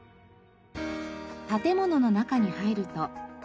建物の中に入ると。